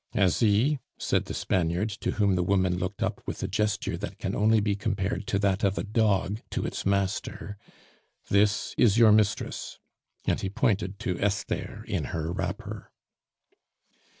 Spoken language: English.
"Asie," said the Spaniard, to whom the woman looked up with a gesture that can only be compared to that of a dog to its master, "this is your mistress." And he pointed to Esther in her wrapper.